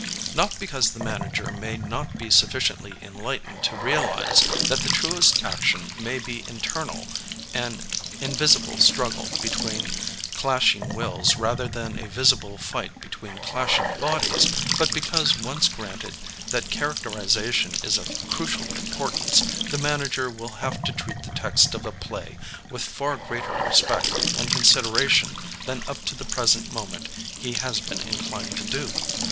Not because the manager may not be sufficiently enlightened to realize that the truest action may be internal — an invisible struggle between clashing wills rather than a visible fight be tween clashing bodies — but because once granted that characterization is of crucial importance, the manager will have to treat the text of a play with far greater respect and consideration than up to the present moment he has been inclined to do.